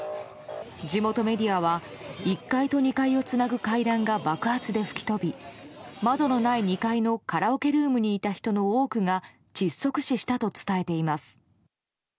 地元メディアは１階と２階をつなぐ階段が爆発で吹き飛び、窓のない２階のカラオケルームにいた人の多くが窒息死したと伝えています。